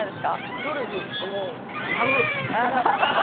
ストレス、なる！